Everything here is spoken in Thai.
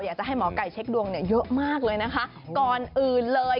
อยากให้หมอกัยเช็คดวงเยอะมากเลย